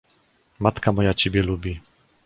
"Matka moja ciebie lubi!"